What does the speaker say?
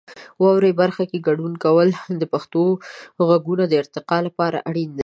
واورئ برخه کې ګډون کول د پښتو غږونو د ارتقا لپاره اړین دی.